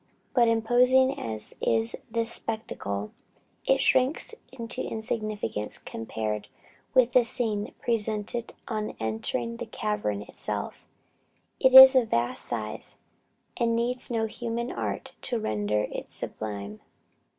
But imposing as is this spectacle, it shrinks into insignificance compared with the scene presented on entering the cavern itself. It is of vast size, and needs no human art to render it sublime.